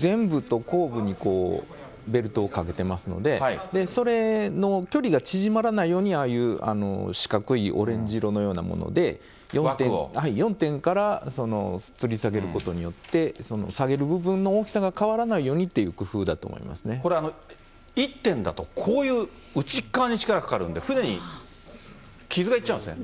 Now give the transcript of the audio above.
前部と後部にベルトをかけてますので、それの距離が縮まらないように、ああいう四角いオレンジ色なようなもので４点からつり下げることによって、下げる部分の大きさが変わらないようにっていう工夫だこれ、１点だとこういううちっ側に力かかるんで、船に傷がいっちゃうんですね。